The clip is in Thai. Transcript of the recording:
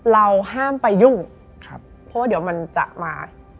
เราห้ามไปยุ่งเพราะว่าเดี๋ยวมันจะมา